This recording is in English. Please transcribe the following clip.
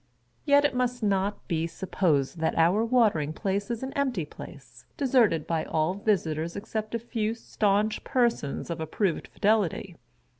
Yet, it must not be supposed that our Watering Place is an empty place, deserted by all visitors except a few staunch persons of approved fidelity.